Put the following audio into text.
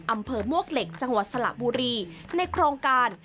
อำเภอมวกเหล็กจังหวัดสระบุรีในโครงการ